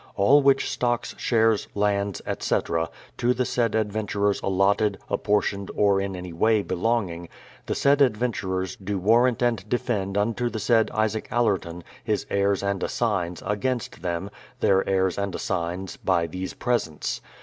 All which stocks, shares, lands, etc., to the said adventurers allotted, apportioned, or in any way be longing, the said adventurers do warrant and defend unto the said Isaac Allerton, his heirs and assigns, against them, their heirs and assigns, by these presents.